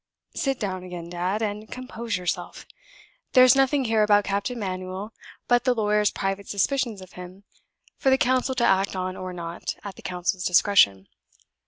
Sit down again, dad, and compose yourself. There's nothing here about Captain Manuel but the lawyer's private suspicions of him, for the counsel to act on or not, at the counsel's discretion.